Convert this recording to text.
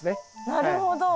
なるほど。